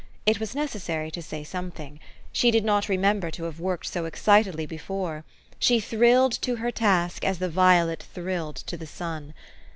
It was necessary to say something. She did not remember to have worked so excitedly before. She thrilled to her task as the violet thrilled to the sun.